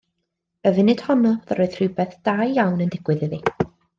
Y funud honno roedd rhywbeth da iawn yn digwydd iddi.